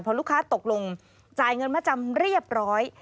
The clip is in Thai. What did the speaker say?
พอลูกค้าตกลงจ่ายเงินมาจำเรียบร้อย